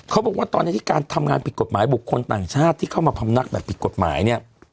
เขาบอกว่าตอนนี้ที่การทำงานผิดกฎหมายบุคคลต่างชาติที่เข้ามาพำนักแบบผิดกฎหมายเนี่ย